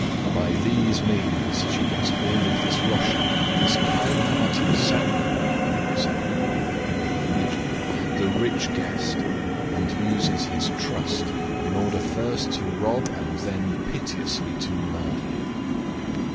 By these means she gets hold of this Russian, this kind hearted Sadko, [Sadko, the hero of a legend] the rich guest, and uses his trust in order first to rob and then pitilessly to murder him."